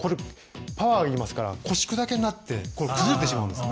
パワーがいりますから腰砕けになって崩れてしまうんですよ。